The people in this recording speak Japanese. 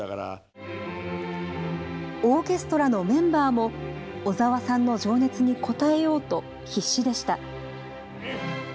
オーケストラのメンバーも、小澤さんの情熱に応えようと必死でした。